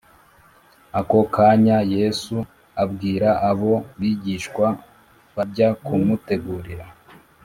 ako kanya yesu abwira abo bigishwa bajya ku mutegurira